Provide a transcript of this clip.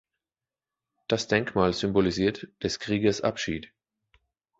Das Denkmal symbolisiert des Kriegers' Abschied.